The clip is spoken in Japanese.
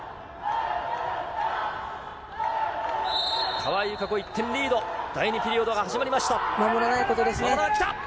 川井友香子、１点リード第２ピリオドが始まりました。